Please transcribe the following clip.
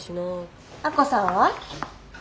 亜子さんは？